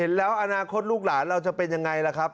แล้วอนาคตลูกหลานเราจะเป็นยังไงล่ะครับ